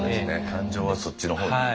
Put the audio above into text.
感情はそっちの方に。